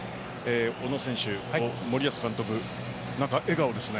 小野選手、森保監督何か笑顔ですね。